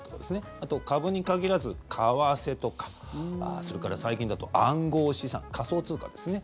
あと、株に限らず為替とかそれから、最近だと暗号資産仮想通貨ですね。